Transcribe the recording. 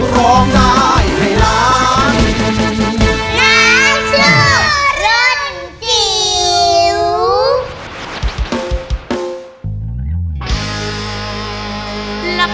น้องฝาดินร้อง